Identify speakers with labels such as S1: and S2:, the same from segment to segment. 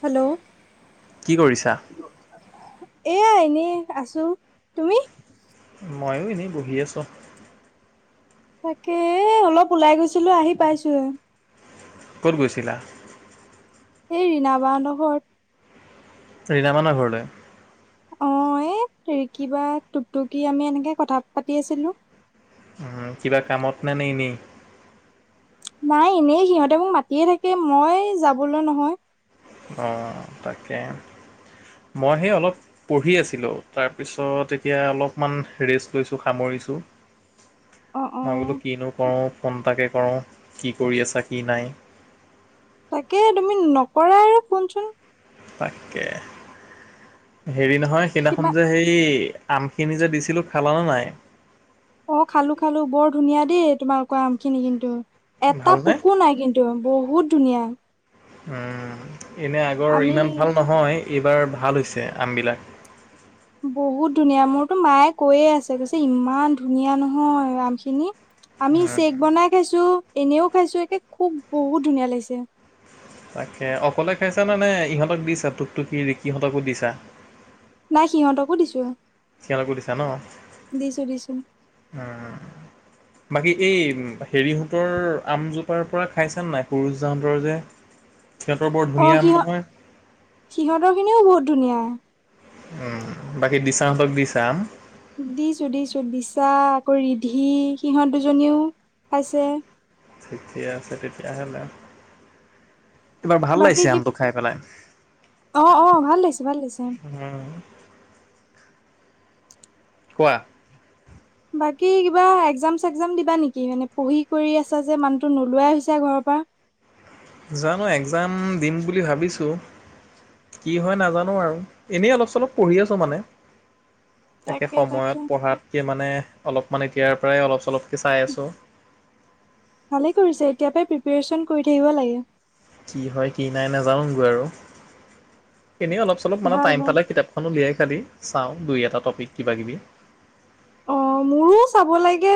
S1: Hello
S2: কি কৰিছা?
S1: এয়া এনেই আছো, তুমি?
S2: মইও এনেই বহি আছোঁ।
S1: তাকে, অলপ ওলাই গৈছিলো আহি পাইছোহে।
S2: ক'ত গৈছিলা?
S1: এই ৰীণা বাহঁতৰ ঘৰত।
S2: ৰীণামানৰ ঘৰলৈ?
S1: অ এ ৰিকীবা, টুকটুকি, আমি এনেকে কথা পাতি আছিলো।
S2: কিবা কামতনে নে এনেই?
S1: নাই এনেই, সিহঁতে মোক মাতিয়ে থাকে, মই যাবলৈ নহয়।
S2: অ তাকে, মই সেই অলপ পঢ়ি আছিলো, তাৰপিছত এতিয়া অলপমান ৰেষ্ট লৈছোঁ সামৰিছো।
S1: অ অ
S2: মই বোলো কিনো কৰো ফোন তাকে কৰো কি কৰি আছা, কি নাই?
S1: তাকে তুমি নকৰা আৰু ফোন-চোন।
S2: তাকে হেৰি নহয়
S1: কিবা
S2: সেইদিনাখন যে হেই আমখিনি যে দিছিলো, খালানে নাই?
S1: অ খালো-খালো বৰ ধুনীয়া দেই তোমালোকৰ আমখিনি কিন্তু। এটা
S2: ভালনে?
S1: পকু নাই, কিন্তু বহুত ধুনীয়া।
S2: উম এনে আগৰ
S1: আমি
S2: ইমান ভাল নহয় এইবাৰ ভাল হৈছে আমবিলাক।
S1: বহুত ধুনীয়া, মোৰতো মায়ে কৈয়ে আছে, কৈছে ইমান ধুনীয়া নহয় আমখিনি। আমি চেক বনাই খাইছো এনেও খাইছো, একে খুব বহুত ধুনীয়া লাগিছে।
S2: তাকে, অকলে খাইছানা নে? ইহঁতক দিছা টুকটুকি, ৰিকিহঁতকো দিছা।
S1: নাই সিহঁতকো দিছো।
S2: [unintelligible] কো দিছা ন,
S1: দিছো দিছো
S2: উম বাকী এই হেৰিহঁতৰ আমজোপাৰ পৰা খাইছানা নাই? সৰুচ যাহঁতৰ যে। সিহঁতৰ বৰ
S1: অ
S2: ধুনীয়া আম নহয়
S1: সিহ-সিহঁতৰ খিনিও বহুত ধুনীয়া।
S2: উম, বাকী দিছাহঁতক দিছা আম?
S1: দিছো-দিছো বিচা আকৌ ৰিধি সিহঁত দুজনীও পাইছে।
S2: ঠিকে আছে তেতিয়াহ'লে। এইবাৰ ভাল
S1: বাকী
S2: লাগিছে,
S1: কি
S2: আমটো খায় পেলাই।
S1: অ', অ', ভাল লাগিছে, ভাল লাগিছে।
S2: উম, কোৱা।
S1: বাকী কিবা একজাম চেগজাম দিবা নেকি? মানে পঢ়ি কৰি আছা যে, মানুহটো নোলোৱাই হৈছে ঘৰৰ পৰা।
S2: জানো একজাম দিম বুলি ভাবিছোঁ কি হয়, নাজানো আৰু এনেই অলপ, চলপ পঢ়ি আছো মানে। একে
S1: তাকে তাকে
S2: সময়ত পঢ়াতকে মানে অলপমান ইয়াৰ পৰাই অলপ চলপ
S1: ভালে কৰিছে, এতিয়াৰ পৰাই প্ৰিপাৰেচন কৰি থাকিব লাগে।
S2: কি হয়, কি নাই নাজানোগৈ আৰু। এনেই অলপ, চলপ মানে
S1: ভাল
S2: টাইম
S1: ভাল
S2: পালে কিতাপখন উলিয়াই খাতি চাওঁ দুই এটা ট'পিক কিবাকিবি।
S1: অ', মোৰো চাব লাগে।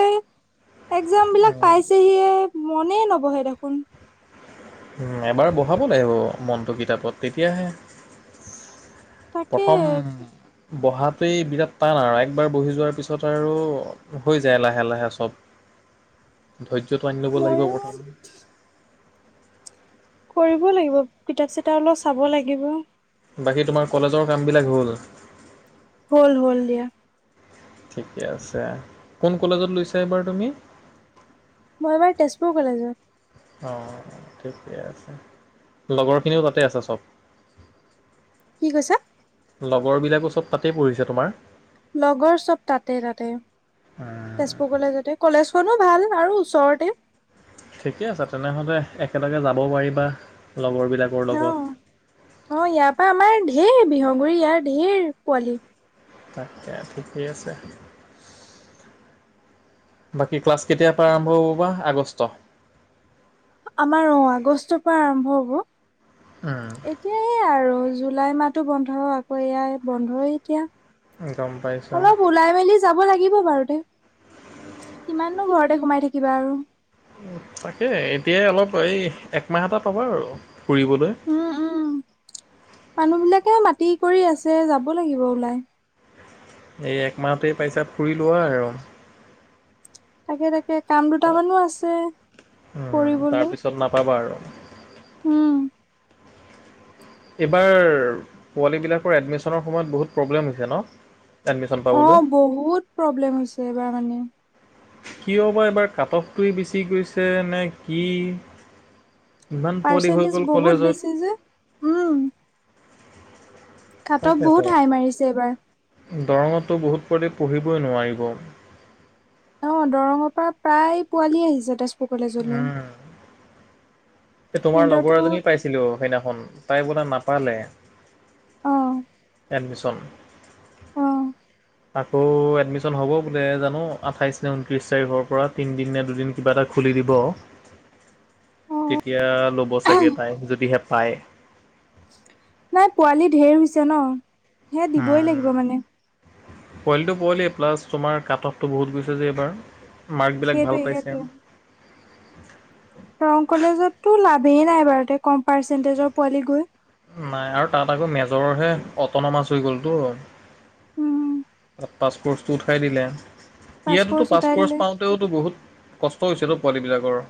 S1: এক্জাম বিলাক
S2: উম,
S1: পাইছেহিয়ে মনে নবহে দেখোন।
S2: উম, এবাৰ বহাব লাগিব মনটো কিতাপত তেতিয়াহে।
S1: তাকে
S2: প্ৰথম বহাটোৱেই বিৰাট টান আৰু একবাৰ বহি যোৱাৰ পিছত আৰু হৈ যায় লাহে লাহে চব। ধৈৰ্য্যটো আনি ল'ব লাগিব
S1: ময়ো
S2: প্ৰথম।
S1: কৰিব লাগিব কিতাপ চিতাপ অলপ চাব লাগিব।
S2: বাকী তোমাৰ কলেজৰ কামবিলাক হ'ল?
S1: হ'ল, হ'ল দিয়া।
S2: ঠিকে আছে, কোন কলেজত লৈছা এইবাৰ তুমি?
S1: মই এইবাৰ তেজপুৰ কলেজত।
S2: অ', ঠিকে আছে, লগৰখিনিও তাতে আছে চব?
S1: কি কৈছা?
S2: লগৰবিলাকো চব তাতেই পঢ়িছে তোমাৰ?
S1: লগৰ চব তাতে তাতে, তেজপুৰ গ'লে তাতে কলেজ [unintelligible] ভাল আৰু ওচৰতে
S2: ঠিকে আছে, তেনেহ'লে একেলগে যাব পাৰিবা। লগৰবিলাকৰ লগত
S1: অ', অ', ইয়াৰ পৰা আমাৰ ধেৰ বিহু গুৰি ইয়াৰ ধেৰ পোৱালি
S2: তাকে ঠিকেই আছে, বাকী ক্লাছ কেতিয়াৰ পৰা আৰম্ভ হ'ব বা, আগষ্ট?
S1: আমাৰ অ', আগষ্টৰ পৰা আৰম্ভ হ'ব।
S2: উম,
S1: এতিয়া সে আৰু জুলাই মাহোটো বন্ধ আকৌ এয়াই বন্ধই এতিয়া।
S2: গম পাইছোঁ
S1: অলপ ওলাই মেলি যাব লাগে থাকিব বাৰুতে কিমাননো ঘৰতে সোমাই থাকিবা আৰু।
S2: উ তাকে এতিয়াই অলপ এই একমাহ এটাত পাবা আৰু ফুৰিবলৈ
S1: উম উম মানুহ বিলাকে মাতি ক কৰি আছে যাব লাগিব ওলাই,
S2: এই একমাহতেই পাইছা ফুৰি লোৱা আৰু
S1: তাকে তাকে কাম দুটামানো আছে
S2: উম,
S1: কৰিবলৈ,
S2: তাৰপিছত নাপাবা আৰু
S1: উম।
S2: এইবাৰ পোৱালী বিলাকৰ এডমিশ্যনৰ সময়ত বহুত প্ৰব্লেম হৈছে ন'। এডমিশ্যন পাবলৈ
S1: অ' বহুত প্ৰব্লেম হৈছে এইবাৰ মানে।
S2: কিয় বা এইবাৰ কাট অফ টোৱে বেচি গৈছে নে কি? ইমান পোৱালি হৈ
S1: পাৰ্চেণ্টেজ
S2: গ'ল
S1: বহুত
S2: কলেজত
S1: বেছি যে উম। কাটঅফ
S2: তাকেতো
S1: বহুত হাই মাৰিছে এইবাৰ।
S2: দৰঙতো বহুত ছোৱালী পঢ়িবই নোৱাৰিব।
S1: অ' দৰঙৰ পৰা প্ৰায় পোৱালি আহিছে তেজপুৰ। কলেজলে।
S2: তোমাৰ লগৰ এজনী পাইছিলো সেইদিনাখন। তাই নাপালে।
S1: অ
S2: এডমিছন।
S1: অ
S2: আকৌ এডমিশ্যন হ'ব বোলে জানো আঠাইশ নে ঊনত্ৰিশ তাৰিখৰ পৰা তিনদিন নে দুদিন কিবা এটা খুলি দিব। তেতিয়া ল'ব চাগে তাই যদিহে পায়।
S1: নাই পোৱালী ঢেৰ হৈছে ন? হে- দিবই লাগিব মানে।
S2: পোৱলিটো পোৱালি প্লাছ তোমাৰ কাট অফটো বহুত গৈছে যে এইবাৰ। মাৰ্কবিলাক ভাল
S1: সেইটোৱে
S2: পাইছে।
S1: সেইটোৱে
S2: [inaudible]
S1: দৰং কলেজতটো লাভেই নাই বাৰু কম পাৰ্চেন্টেজৰ পোৱালি গৈ।
S2: নাই আৰু তাত আকৌ মেজৰৰহে অটন মাছ হৈ গ'লতো।
S1: উম-
S2: পাছপ'ৰ্চটো উঠাই দিলে। ইয়াততো পাছ কৰ্চ পাওঁতেওতো বহুত কষ্ট হৈছে। পোৱালীবিলাকৰ-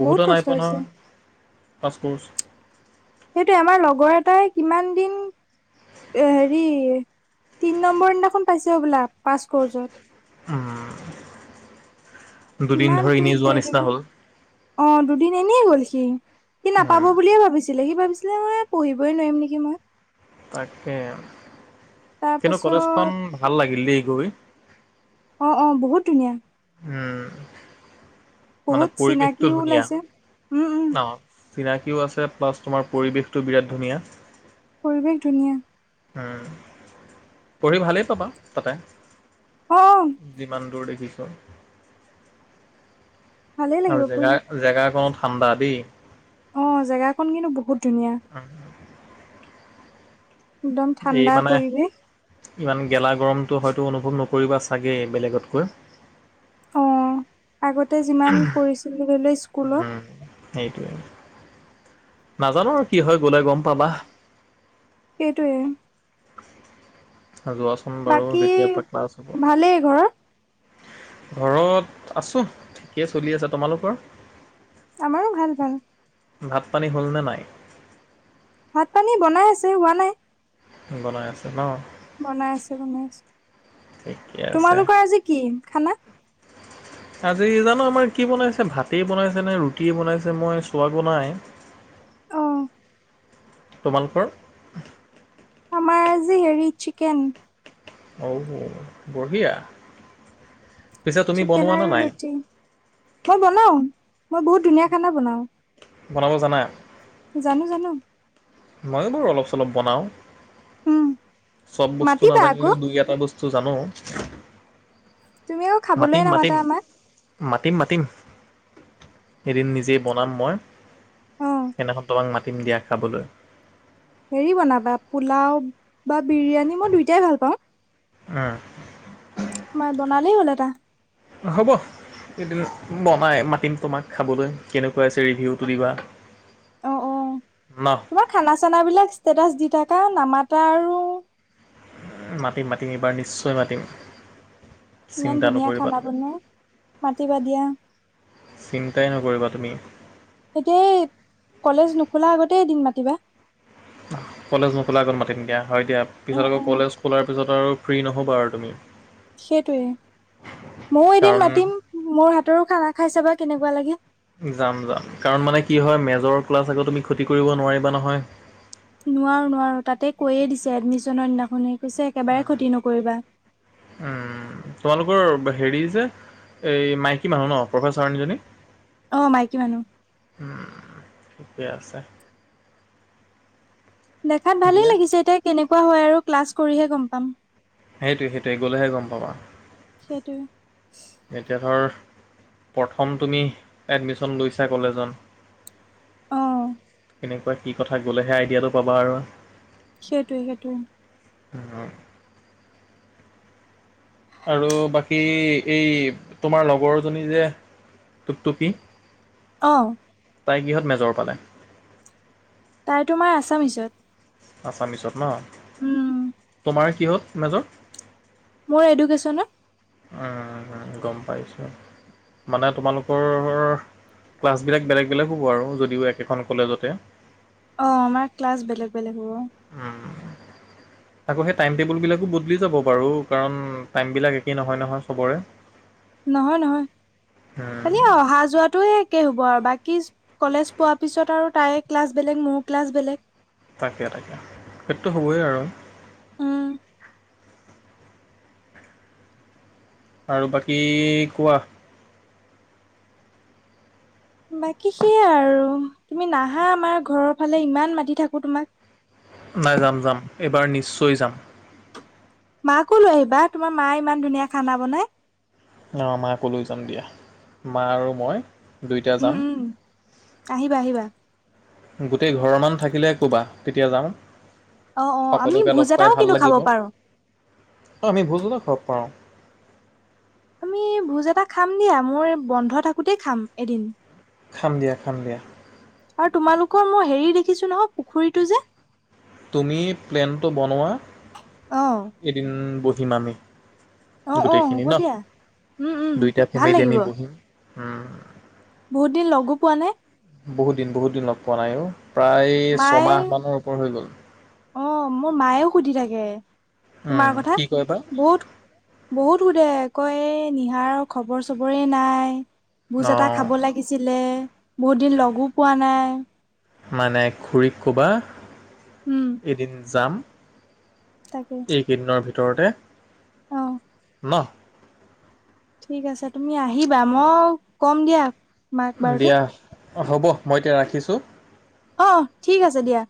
S2: বহুতো
S1: বহুত
S2: নাই
S1: কষ্ট
S2: পোৱা
S1: হৈছে।
S2: নহয় পাছ কৰ্চ।
S1: সেইটোৱে আমাৰ লগৰ এটাই- কিমান দিন হেৰি, তিনি নম্বৰ দিনাখন পাইছে হবলা পাছ কৰ্ছত।
S2: উম।
S1: কিমান সি দেৰি থাকে। অ- দুদিন এনেই গ'ল সি। দেখি নাপাব
S2: উম,
S1: বুলিয়ে ভাবিছিলো। সি ভাবিছিল- মই পঢ়িবই নোৱাৰিম নেকি মই!
S2: তাকে,
S1: তাৰ
S2: কিন্তু কলেজখন
S1: পাছত
S2: ভাল লাগিল দেই গৈ।
S1: অ অ বহুত ধুনীয়া।
S2: উম- মানে
S1: বহুত
S2: পৰিৱেশটো
S1: চিনাকিও
S2: ধুনীয়া
S1: ওলাইছে। উম- উম-
S2: অ'। চিনাকিও আছে [unintelligible] তোমাৰ পৰিৱেশটো বিৰাট ধুনীয়া।
S1: পৰিৱেশ ধুনীয়া।
S2: পঢ়ি ভালেই পাবা- তাতে।
S1: অ অ
S2: যিমান দূৰ দেখি [unintelligible]
S1: ভালেই
S2: আৰু
S1: লাগিব পঢ়ি
S2: জেগা-জেগাকনত ঠাণ্ডা দেই।
S1: অ' জেগাখন কিন্তু বহুত ধুনীয়া
S2: উম।
S1: একদম
S2: এই
S1: ঠাণ্ডা
S2: মানে
S1: পৰিৱেশ।
S2: ইমান গেলা গৰমটো হয়তো অনুভৱ নকৰিবা চাগে বেলেগতকৈ।
S1: অ' আগতে যিমান কৰিছিলো। [unintelligible] স্কুলত।
S2: উম, সেইটোৱে, নাজানো আৰু কি হয় গলে গম পাবা।
S1: সেইটোৱে।
S2: যোৱাচোন বাৰু,
S1: বাকী
S2: যেতিয়াৰ পৰা ক্লাছ হ'ব।
S1: ভালেই ঘৰত
S2: ঘৰত আছো, ঠিকেই চলি আছে। তোমালোকৰ?
S1: আমাৰো ভাল ভাল।
S2: ভাত-পানী হ'লনে নাই?
S1: ভাত-পানী বনাই আছে, হোৱা নাই।
S2: বনাই আছে ন
S1: বনাই আছো বনাই আছো
S2: ঠিকে আছে।
S1: তোমালোকৰ আজি কি খানা
S2: আজি জানো আমাৰ কি বনাইছে ভাতেই বনাইছে নে ৰুটিয়েই বনাইছে মই চোৱাগৈ নাই
S1: অ
S2: তোমালোকৰ
S1: আমাৰ আজি হেৰি চিকেন
S2: অ হৌ বঢ়িয়া পিছে তুমি
S1: চিকেন
S2: বনোৱা নে
S1: আৰু
S2: নাই?
S1: ৰুটি মই বনাও মই বহুত ধুনীয়া খানা বনাওঁ
S2: বনাব জানা
S1: জানো জানো
S2: ময়ো বাৰু অলপ চলপ বনাওঁ
S1: উম
S2: চব বস্তু
S1: মাতিবা আকৌ
S2: নাজানিলেও দুই এটা বস্ তো জানো
S1: তুমিও খাবলৈ
S2: মাতিম
S1: নামাতা
S2: মাতিম
S1: আমাক
S2: মাতিম মাতিম এদিন নিজেই বনাম মই।
S1: অ
S2: সেইদিনাখন তো মা মাটিম দিয়া খাবলৈ।
S1: হেৰি বনাবা পোলাও বা বিৰিয়ানী মই দুইটাই ভাল পাওঁ।
S2: উ
S1: মই বনালেই হ'ল এটা।
S2: হ'ব এদিন বনাই মাতিম তোমাক খাবলৈ কেনেকুৱা আছে ৰিভিউটো দিবা।
S1: অ', অ',
S2: ন
S1: তোমাৰ খানা চানাবিলাক ষ্টেটাচ দি থাকা নামা এটা আৰু।
S2: মাতিম মাতিম এইবাৰ নিশ্চয় মাতিম।
S1: ইমান
S2: চিন্তা
S1: ধুনীয়া
S2: নকৰিবা
S1: খানা
S2: তুমি
S1: বনোৱা মতিবা দিয়া।
S2: চিন্তাই নকৰিবা তুমি
S1: এতিয়াই কলেজ নোখোলা আগতে এদিন মাতিবা
S2: কলেজ নোখোলা আগত মাতি দিম দিয়া। হয় দিয়া পিছত
S1: উম
S2: আকৌ
S1: উম
S2: কলেজ খোলাৰ পিছত আৰু ফ্ৰী নহ'বা আৰু তুমি।
S1: সেইটোৱে, মইয়ো এদিন
S2: কাৰণ
S1: মাতিম মোৰ হাতৰো খানা খাইছাবা কেনেকুৱা লাগে।
S2: যাম যাম কাৰণ মানে কি হয় মেজৰ ক্লাছ আকৌ তুমি ক্ষতি কৰিব নোৱাৰিবা নহয়।
S1: নোৱাৰো নোৱাৰো তাতে কৈয়ে দিছে এডমিশনৰ দিনাখনে। পিছে একেবাৰে ক্ষতি নকৰিবা।
S2: উম তোমালোকৰ হেৰি যে এই মাইকী মানুহ ন' প্ৰফেচাৰনী জনী।
S1: অ' মাইকী মানুহ।
S2: ঠিকে আছে।
S1: দেখাত ভালেই
S2: দিয়া
S1: লাগিছে এতিয়া কেনেকুৱা হয় আৰু ক্লাছ কৰিহে গম পাম।
S2: সেইটোৱে সেইটোৱে গ'লেহে গম পাব আৰু।
S1: সেইটোৱে।
S2: এতিয়া ধৰ প্ৰথম তুমি এডমিশন লৈছা কলেজত।
S1: অ
S2: কেনেকুৱা কি কথা গ'লেহে আইডিয়াটো পাবা আৰু।
S1: সেইটোৱে সেইটোৱে।
S2: উম। আৰু বাকী এই তোমাৰ লগৰজনী যে টুপটুপি।
S1: অ'।
S2: তাই কিহত মেজৰ পালে।
S1: তাই তোমাৰ আছামিছত।
S2: আছামিছত ন।
S1: উম।
S2: তোমাৰ কিহঁত মেজৰ।
S1: মোৰ এডুকেশ্যনত।
S2: অ', অ', গম পাইছোঁ, মানে তোমালোকৰ ক্লাছবিলাক বেলেগ বেলেগ হ'ব আৰু যদিও একেখন কলেজতে।
S1: অ' আমাৰ ক্লাছ বেলেগ-বেলেগ হ'ব।
S2: উম, আকৌ সেই টাইম টেবুলবিলাকো বদলি যাব বাৰু কাৰণ টাইমবিলাক একেই নহয়- নহয় চবৰে।
S1: নহয়-নহয়, খালি আও অহা যোৱাটো এ কে হ'ব আৰু বাকী কলেজ পোৱাৰ পিছত আৰু তাই ক্লাছ বেলেগ মোৰ ক্লাছ বেলেগ।
S2: তাকে-তাকে, সেইটোটো হ'বই আৰু।
S1: উম
S2: আৰু বাকী কোৱা।
S1: বাকী সেয়াই আৰু তুমি নাহা আমাৰ ঘৰৰ ফালে ইমান মাতি থাকো তোমাক।
S2: নাই যাম-যাম, এইবাৰ নিশ্চয় যাম।
S1: মাকো লৈ আহিবা তোমাৰ মাই ইমান ধুনীয়া খানা বনাই।
S2: অ' মাকো লৈ যাম দিয়া মা আৰু মই দুইটা
S1: উম
S2: যাম।
S1: উম আহিবা- আহিবা।
S2: গোটেই ঘৰৰ মানুহ থাকিলে ক'বা তেতিয়া যাম।
S1: অ অ আমি
S2: সকলোকে
S1: ভোজ
S2: লগ পাই
S1: এটাও
S2: ভাল
S1: কিন্তু খাব
S2: লাগিব,
S1: পাৰো
S2: অ আমি ভোজ [unintelligible] পাৰোঁ।
S1: আমি ভোজ এটা খাম দিয়া, মোৰ বন্ধ থাকোতেই খাম এদিন।
S2: খাম দিয়া-খাম দিয়া।
S1: আৰু তোমালোকৰ মই হেৰি দেখিছো নহয় পুখুৰীটো যে
S2: তুমি প্লেনটো বনোৱা এদিন ব [unintelligible]
S1: অ'-অ'হ'ব দিয়া, উম-উম ভাল লাগিব।
S2: উম।
S1: বহুত দিন লগো পোৱা নাই।
S2: বহুত দিন-বহুত দিন লগ পোৱা নাই অ'। প্ৰায়
S1: মায়ে
S2: ছমাহ মানৰ ওপৰ হৈ গ'ল।
S1: অ' মোৰ মায়েও সুধি থাকে। তোমাৰ
S2: উম,
S1: কথা
S2: কি কয় বা
S1: বহুত- বহুত সোধে, কয় এ নিহাৰৰ খবৰ চবৰে নাই। ভোজ এটা
S2: অ
S1: খাব লাগিছিলে। বহুত দিন লগো পোৱা নাই।
S2: মানে খুৰীক ক'বা
S1: উম
S2: এদিন যাম এইকেইদিনৰ ভিতৰত ভিতৰতে।
S1: অঁ।
S2: ন।
S1: ঠিক আছে তুমি আহিবা, মই ক'ম দিয়া। মাক বাৰুতে।
S2: অ', হ'ব মই এতিয়া ৰাখিছোঁ।
S1: অহ, ঠিক আছে দিয়া।